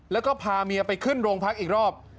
แล้วก็พาเมียไปขึ้นโรงพักอีกรอบ